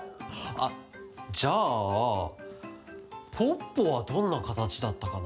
あっじゃあポッポはどんなかたちだったかな？